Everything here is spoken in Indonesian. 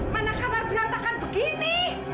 mana kamar berantakan begini